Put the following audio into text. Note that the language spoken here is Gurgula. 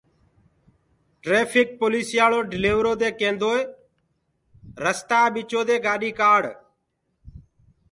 ٽريڦڪ پوليٚسيآݪو ڊليورو دي ڪينٚدوئيٚ رستآ ٻچو دي گآڏي ڪآڙ